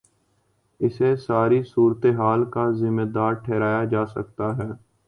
اسے ساری صورت حال کا ذمہ دار ٹھہرایا جا سکتا ہے۔